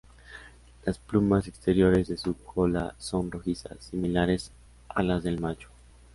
Las plumas exteriores de su cola son rojizas, similares a las del macho.